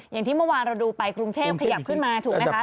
อย่างที่เมื่อวานเราดูไปกรุงเทพขยับขึ้นมาถูกไหมคะ